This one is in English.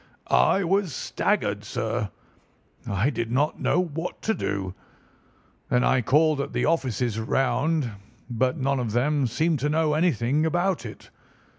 "I was staggered, sir. I did not know what to do. Then I called at the offices round, but none of them seemed to know anything about it.